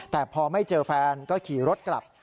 แต่พอไม่เจอแฟนก็ขี่รถกลับ